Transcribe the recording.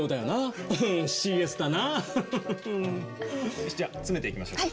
よしじゃあ詰めていきましょうか。